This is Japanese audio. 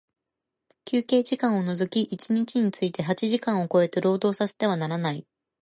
休憩時間を除き一日について八時間を超えて、労働させてはならない。